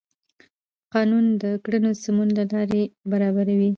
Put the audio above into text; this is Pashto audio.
قانون د کړنو د سمون لار برابروي.